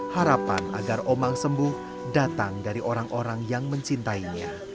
harapan agar omang sembuh datang dari orang orang yang mencintainya